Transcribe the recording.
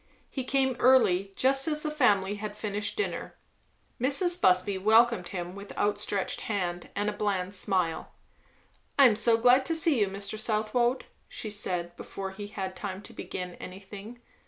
He came early, just as the family had finished dinner. Mrs. Busby welcomed him with outstretched hand and a bland smile. "I am so glad to see you, Mr. Southwode," she said, before he had time to begin anything.